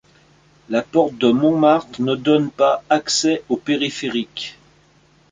La porte de Montmartre ne donne pas accès au périphérique.